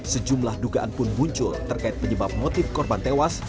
sejumlah dugaan pun muncul terkait penyebab motif korban tewas